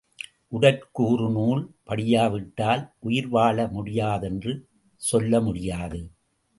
உடற்கூறு நூல் படியாவிட்டால் உயிர் வாழ முடியாதென்று சொல்ல முடியாது.